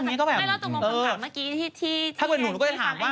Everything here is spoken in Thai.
อันนี้ก็แบบเออถ้าเป็นหนูหนูก็จะถามว่าถ้าเป็นหนูหนูก็จะถามว่า